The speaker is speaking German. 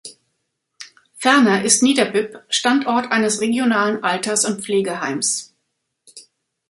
Ferner ist Niederbipp Standort eines regionalen Alters- und Pflegeheims.